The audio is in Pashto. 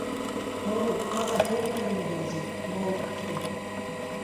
هو، تا ته خوب ولې نه درځي؟ ما وپوښتل.